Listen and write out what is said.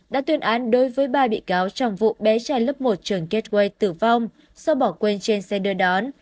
đã tuyên án đối với ba bị cáo trong vụ bé trai lớp một trường gateway tử vong do bỏ quên trên xe đưa đón